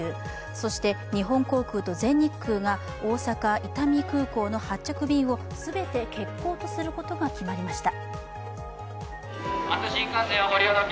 そして日本航空と全日空が大阪・伊丹空港の発着便を全て欠航とすることが決まりました。